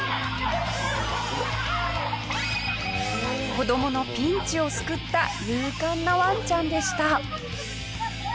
子どものピンチを救った勇敢なワンちゃんでした。